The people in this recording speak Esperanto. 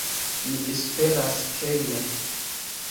Mi esperas ke ne.